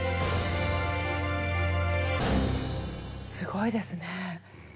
すごいですね。